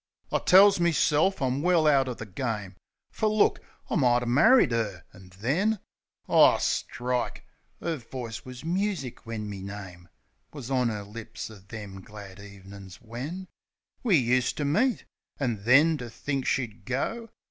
I tells meself I'm well out o' the game; Fer look, I mighter married 'er — an' then. ... Ar strike! 'Er voice wus music when my name Wus on 'er lips on them glad ev'nin's when We useter meet. An' then to think she'd go.